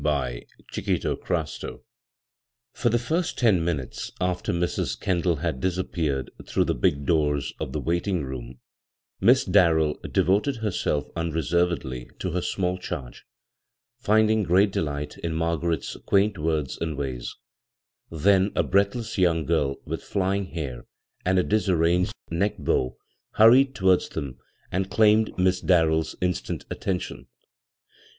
b, Google CHAPTER II FOR the first ten minutes after Mrs. Kendall had disappeared through the big doors of the waiting room, Miss Darrell devoted herself unreservedly to her small charge, finding great delight in Mar garet's quaint words and ways ; then a breathless young girl with flying hair and a disarranged neck bow hurried towards them and claimed Miss Darrell's instant attention.